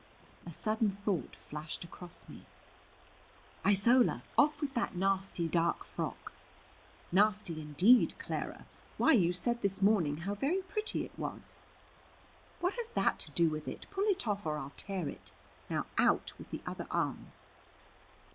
A sudden thought flashed across me. "Isola, off with that nasty dark frock!" "Nasty, indeed, Clara! Why you said this morning how very pretty it was." "What has that to do with it? Pull it off, or I'll tear it. Now, out with the other arm."